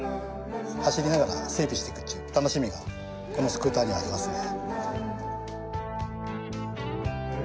走りながら整備していくっていう楽しみがこのスクーターにはありますね。